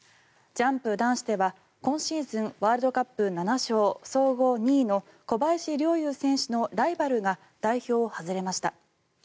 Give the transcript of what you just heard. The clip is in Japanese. ジャンプ男子では今シーズンワールドカップ７勝総合２位の小林陵侑選手のライバルが代表を外れました。